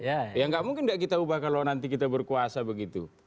ya nggak mungkin tidak kita ubah kalau nanti kita berkuasa begitu